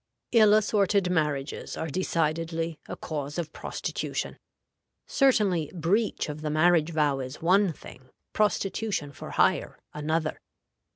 ILL ASSORTED MARRIAGES are decidedly a cause of prostitution. Certainly breach of the marriage vow is one thing, prostitution for hire another.